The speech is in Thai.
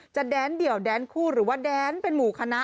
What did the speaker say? แดนเดี่ยวแดนคู่หรือว่าแดนเป็นหมู่คณะ